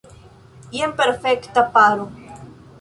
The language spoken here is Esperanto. Jen perfekta paro!